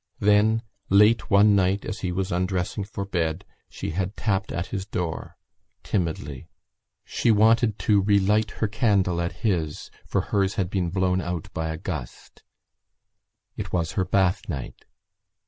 Then late one night as he was undressing for bed she had tapped at his door, timidly. She wanted to relight her candle at his for hers had been blown out by a gust. It was her bath night.